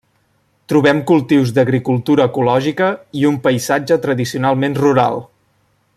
Trobem cultius d'agricultura ecològica i un paisatge tradicionalment rural.